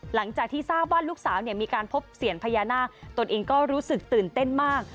หลังจากที่ทราบว่าลูกสาวเนี่ยมีการพบเสียญพญานาคตนเองก็รู้สึกตื่นเต้นมาก